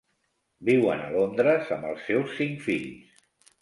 Viuen a Londres amb els seus cinc fills.